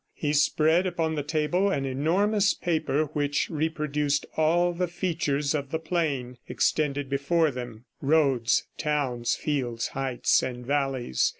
He spread upon the table an enormous paper which reproduced all the features of the plain extended before them roads, towns, fields, heights and valleys.